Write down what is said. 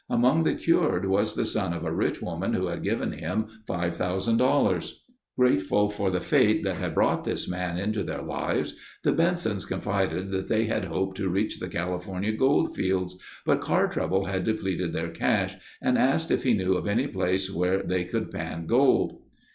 Among the cured, was the son of a rich woman who had given him $5000. Grateful for the fate that had brought this man into their lives, the Bensons confided that they had hoped to reach the California gold fields, but car trouble had depleted their cash and asked if he knew of any place where they could pan gold.